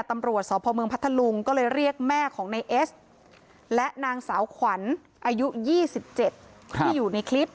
แม่ของในเอสและนางสาวขวัญอายุยี่สิบเจ็ดครับที่อยู่ในคลิป